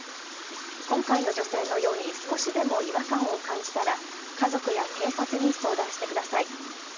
今回の女性のように少しでも違和感を感じたら家族や警察に相談してください。